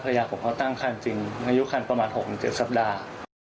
ภรรยาผมตั้งครรภ์จริงในยุคครรภ์ประมาณ๖๗สัปดาห์